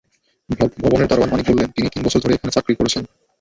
ভবনের দারোয়ান মানিক বললেন, তিনি তিন বছর ধরে এখানে চাকরি করছেন।